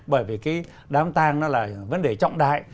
bởi vì cái đám tang nó là vấn đề trọng đại